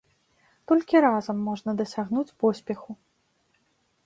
Толькі разам можна дасягнуць поспеху.